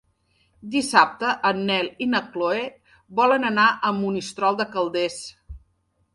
Dissabte en Nel i na Chloé volen anar a Monistrol de Calders.